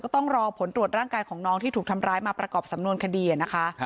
ต้องรอผลตรวจร่างกายของน้องที่ถูกทำร้ายมาประกอบสำนวนคดีนะคะ